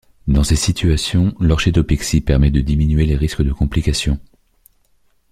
Dans ces situations, l'orchidopexie permet de diminuer les risques de complications.